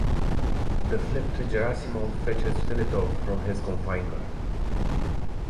The flipped Gerasimov fetches Filitov from his confinement.